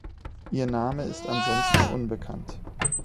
Ihr Name ist ansonsten unbekannt.